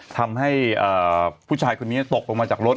ทำให้ผู้ชายคนนี้ตกลงมาจากรถ